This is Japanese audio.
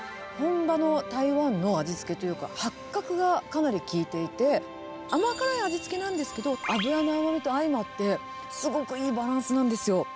本場の台湾の味付けというか、八角がかなり効いていて、甘辛い味付けなんですけど、脂の甘みと相まって、すごくいいバランスなんですよ。